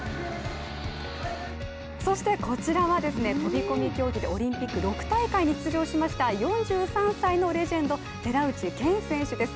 そしてこちらはですね、飛び込み競技でオリンピック６大会に出場しました４３歳のレジェンド・寺内健選手です。